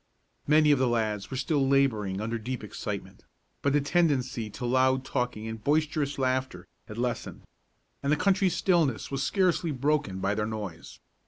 Many of the lads were still laboring under deep excitement; but the tendency to loud talking and boisterous laughter had lessened, and the country stillness was scarcely broken by their noise.